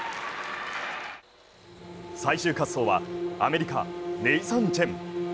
最終滑走はアメリカ、ネイサン・チェン。